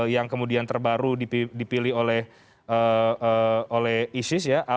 yang kemudian terbaru dipilih oleh isis ya